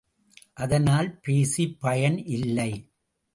அதனால் பேசிப் பயன் இல்லை.